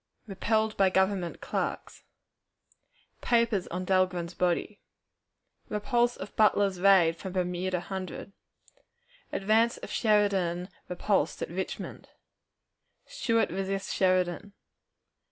Repelled by Government Clerks. Papers on Dahlgren's Body. Repulse of Butler's Raid from Bermuda Hundred. Advance of Sheridan repulsed at Richmond. Stuart resists Sheridan.